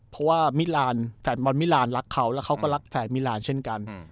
เพราะว่ามิลานแฟนบอลมิลานรักเขาแล้วเขาก็รักแฟนมิลานเช่นกัน